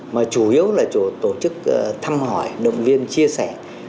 mà chủ yếu là chủ tổ chức thăm hỏi động viên chia sẻ